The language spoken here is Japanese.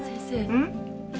うん？